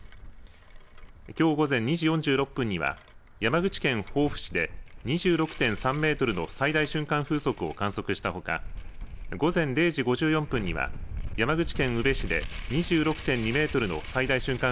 きょう午前２時４６分には山口県防府市で２６．３メートルの最大瞬間風速を観測したほか午前０時５４分には山口県宇部市で２６．２メートルの最大瞬間